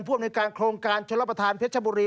อำนวยการโครงการชนรับประทานเพชรบุรี